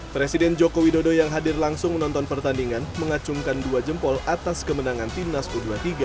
presiden joko widodo yang hadir langsung menonton pertandingan mengacungkan dua jempol atas kemenangan timnas u dua puluh tiga